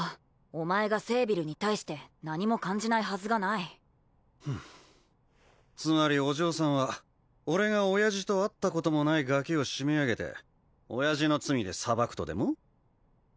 お前がセービルに対して何も感じないはずがないつまりお嬢さんは俺が親父と会ったこともないガキを締め上げて親父の罪で裁くとでも？